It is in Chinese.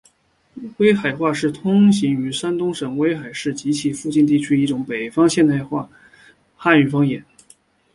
威海话是通行于山东省威海市及其附近地区的一种北方现代汉语方言。